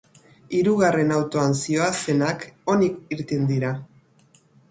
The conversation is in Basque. Hirugarren autoan zihoazenak onik irten dira.